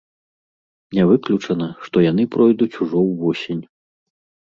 Не выключана, што яны пройдуць ужо ўвосень.